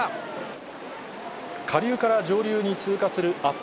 下流から上流に通過するアップ